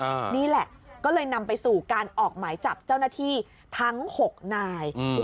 นี่แหละก็เลยนำไปสู่การออกหมายจับเจ้าหน้าที่ทั้งหกนายอืม